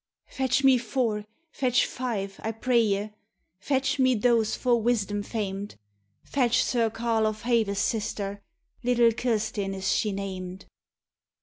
"Fetch me four, fetch five, I pray ye, Fetch me those for wisdom famed; Fetch Sir Carl of Haves' sister, Little Kirstine is she named.